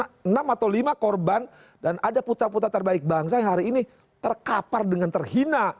karena enam atau lima korban dan ada putra putra terbaik bangsa yang hari ini terkapar dengan terhina